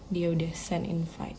dia udah send invite